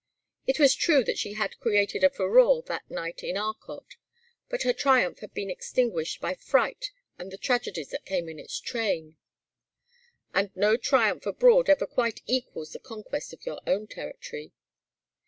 It was true that she had created a furore that night at Arcot, but her triumph had been extinguished by fright and the tragedies that came in its train. And no triumph abroad ever quite equals the conquest of your own territory.